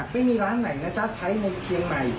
ไม่มีร้านไหนนะจ๊ะใช้ในเชียงใหม่